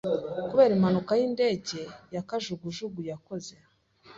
kubera impanuka y’indege ya kajugujugu yakoze